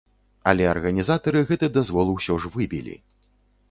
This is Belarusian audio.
Але арганізатары гэты дазвол усё ж выбілі.